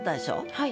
はい。